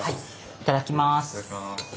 いただきます。